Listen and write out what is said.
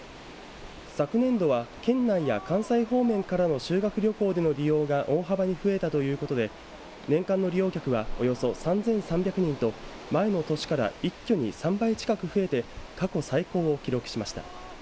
昨年度は県内や関西方面からの修学旅行での利用が大幅に増えたということで年間の利用客はおよそ３３００人と前の年から一挙に３倍近く増えて過去最高を記録しました。